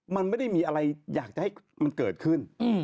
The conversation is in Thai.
มันไม่ได้มีอะไรอยากจะให้มันเกิดขึ้น